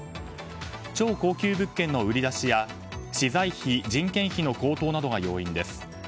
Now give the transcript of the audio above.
超高級物件の売り出しや資材費、人件費の高騰などが要因です。